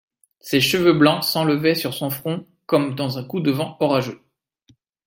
Ses cheveux blancs s'enlévaient sur son front comme dans un coup de vent orageux.